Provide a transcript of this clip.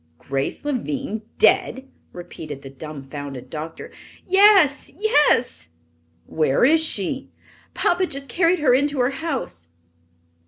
"Grace Lavine dead?" repeated the dumfounded doctor. "Yes! yes!" "Where is she?" "Papa just carried her into her house."